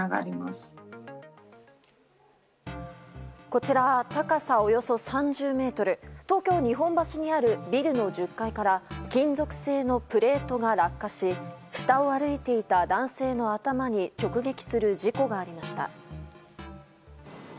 こちら、高さおよそ３０ｍ東京・日本橋にあるビルの１０階から金属製のプレートが落下し下を歩いていた男性の頭に直撃する事故がありました。